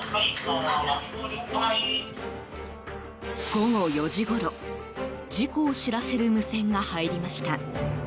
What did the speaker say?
午後４時ごろ、事故を知らせる無線が入りました。